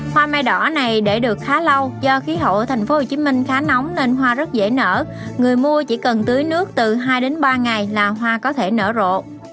hoa mai đỏ này để được khá lâu do khí hậu ở tp hcm khá nóng nên hoa rất dễ nở người mua chỉ cần tưới nước từ hai đến ba ngày là hoa có thể nở rộ